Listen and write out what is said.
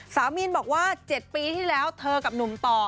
มีนบอกว่า๗ปีที่แล้วเธอกับหนุ่มต่อ